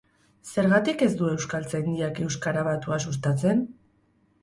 Zergatik ez du Euskaltzaindiak euskara batua sustatzen?